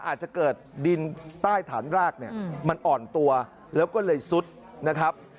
อาจจะเกิดดินใต้ฐานรากเนี่ยมันอ่อนตัวแล้วก็เลยซุดนะครับ